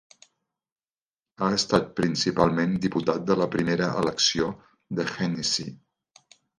Ha estat principalment diputat de la primera elecció de Hennessey.